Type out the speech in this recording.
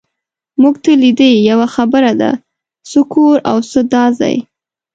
مونږ ته لیدې، یوه خبره ده، څه کور او څه دا ځای.